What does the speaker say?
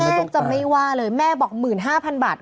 แม่จะไม่ว่าเลยแม่บอก๑๕๐๐๐บาท